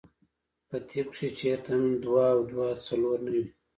پۀ طب کښې چرته هم دوه او دوه څلور نۀ وي -